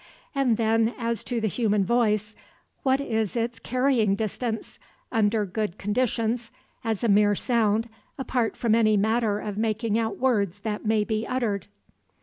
And then as to the human voice; what is its carrying distance, under good conditions, as a mere sound, apart from any matter of making out words that may be uttered?